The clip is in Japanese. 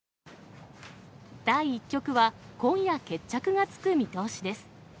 第１局は今夜、決着がつく見通しです。